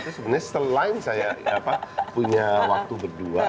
itu sebenarnya selain saya punya waktu berdua